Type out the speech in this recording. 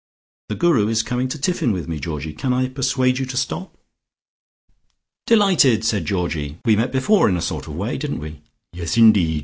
The Guru is coming to tiffin with me, Georgie. Cannot I persuade you to stop?" "Delighted!" said Georgie. "We met before in a sort of way, didn't we?" "Yes, indeed.